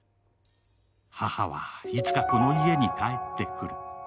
母は、いつかこの家に帰ってくる。